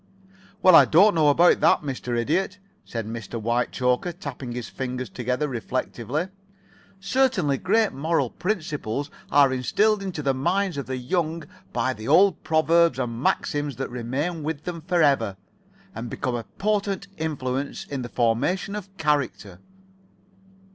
"Well, I don't know about that, Mr. Idiot," said Mr. Whitechoker, tapping his fingers together reflectively. "Certain great moral principles are instilled into the minds of the young by the old proverbs and maxims that remain with them forever, and become a potent influence in the formation of character."